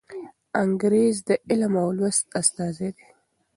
انګریز د علم او لوست استازی دی.